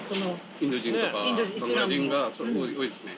インド人とかバングラ人がすごい多いですね。